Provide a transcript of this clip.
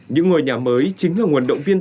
những ngôi nhà mới chính là nguồn động viên